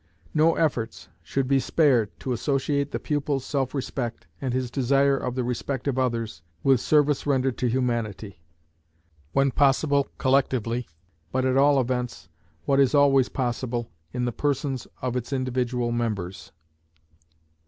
No efforts should be spared to associate the pupil's self respect, and his desire of the respect of others, with service rendered to Humanity; when possible, collectively, but at all events, what is always possible, in the persons of its individual members.